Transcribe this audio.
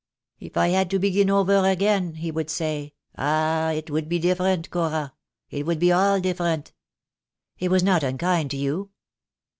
'If I had to begin over again,' he would say, 'ah, it would be different, Cora, it would be all different.' " "He was not unkind to you?"